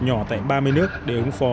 nhỏ tại ba mươi nước để ứng phó